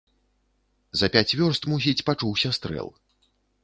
За пяць вёрст, мусіць, пачуўся стрэл.